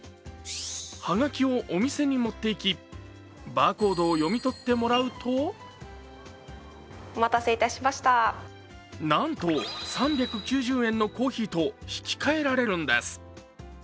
葉書をお店に持っていきバーコードを読み取ってもらうとなんと、３９０円のコーヒーと引き換えられるんです。